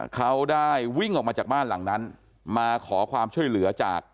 เขาได้วิ่งออกมาจากบ้านหลังนั้นมาขอความช่วยเหลือจาก